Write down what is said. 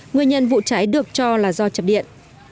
nguyên nhân vụ cháy được cho là do chập điện